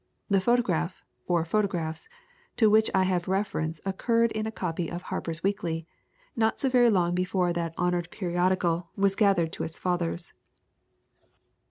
The photograph, or photographs, to which I have refer ence occurred in a copy of Harper's Weekly, not so very long before that honored periodical was gath HONORE WILLSIE 347 crcd to its fathers.